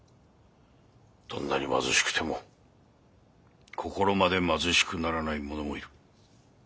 どんなに貧しくても心まで貧しくならない者もいる。